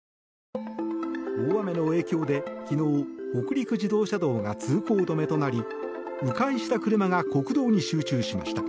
大雨の影響で、昨日北陸自動車道が通行止めとなり迂回した車が国道に集中しました。